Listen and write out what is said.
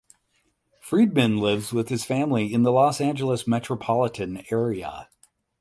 Freedman lives with his family in the Los Angeles Metropolitan Area.